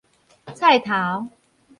菜頭